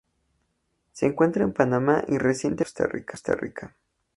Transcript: Se encuentra en Panamá y recientemente en Costa Rica.